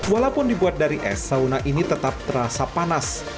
walaupun dibuat dari es sauna ini tetap terasa panas